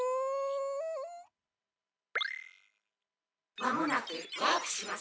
「まもなくワープします」。